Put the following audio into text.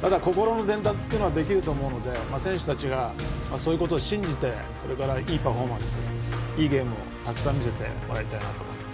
ただ、心の伝達はできると思うので選手たちがそういうことを信じてこれからいいパフォーマンスいいゲームをたくさん見せてもらいたいなと思います。